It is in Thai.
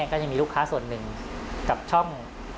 ก็จะมีลูกค้าส่วนหนึ่งกับช่อง